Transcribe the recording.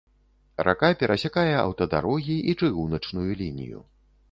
Рака перасякае аўтадарогі і чыгуначную лінію.